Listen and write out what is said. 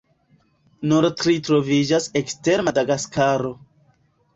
Nur tri troviĝas ekster Madagaskaro.